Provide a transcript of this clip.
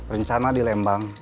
rencana di lembang